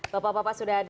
bapak bapak sudah hadir